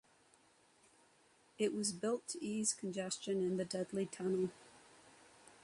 It was built to ease congestion in the Dudley Tunnel.